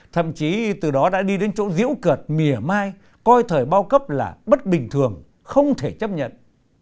thậm chí từ đó đã đi đến chỗ diễu cợt mỉa mai coi thời bao cấp là bất bình thường không thể chấp nhận